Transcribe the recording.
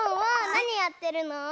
なにやってるの？